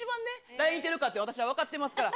誰に似てるかって私は分かってますから。